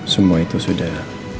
semua itu sudah